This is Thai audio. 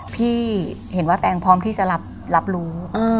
พี่เห็นว่าแตงพร้อมที่จะรับรู้